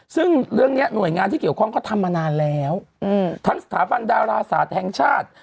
ซึ่งเรื่องนี้หน่วยงานที่เกี่ยวข้องเขาทำมานานแล้วทั้งสถาบันดาราศาสตร์แห่งชาติ